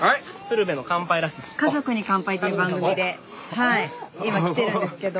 「家族に乾杯」という番組で今来てるんですけど。